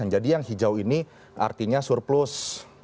jadi yang hijau ini artinya surplus